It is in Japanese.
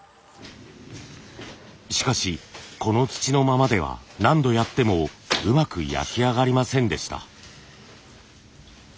しかしこの土のままでは何度やってもうまく焼き上がりませんでした。